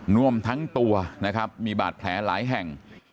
วมทั้งตัวนะครับมีบาดแผลหลายแห่ง